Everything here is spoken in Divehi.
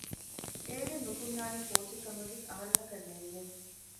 އޭގެން ނުކުންނާނީ ކޯއްޗެއް ކަމެއްވެސް އަހަރެންނަކަށް ނޭނގެ